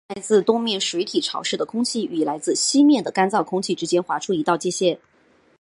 这条线在来自东面水体潮湿的空气与来自西面的干燥空气之间划出一道界限。